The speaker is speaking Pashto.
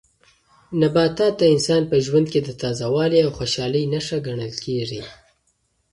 نباتات د انسان په ژوند کې د تازه والي او خوشالۍ نښه ګڼل کیږي.